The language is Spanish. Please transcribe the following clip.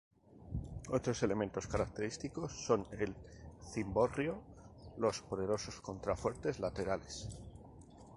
Otros elementos característicos son el cimborrio, los poderosos contrafuertes laterales.